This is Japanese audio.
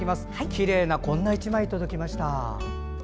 きれいな、こんな１枚届きました。